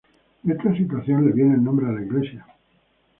De esta situación le viene el nombre a la iglesia.